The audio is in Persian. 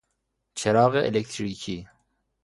چراغ الکتریکی